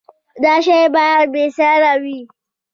دا شی باید بې ساری وي.